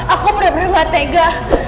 aku bener bener gak tega